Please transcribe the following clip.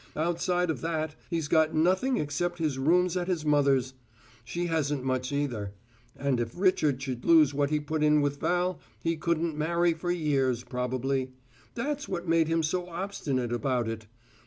Outside of that, he's got nothing except his rooms at his mother's; she hasn't much either; and if Richard should lose what he put in with Val, he couldn't marry for years, probably. That's what made him so obstinate about it.